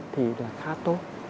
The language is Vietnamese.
thì là khá tốt